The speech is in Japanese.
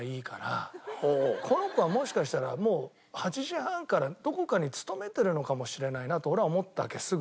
この子はもしかしたらもう８時半からどこかに勤めてるのかもしれないなと俺は思ったわけすぐ。